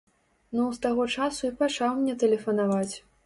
Ну з таго часу і пачаў мне тэлефанаваць.